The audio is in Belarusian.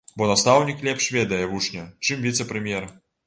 Бо настаўнік лепш ведае вучня, чым віцэ-прэм'ер.